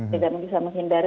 tidak bisa menghindari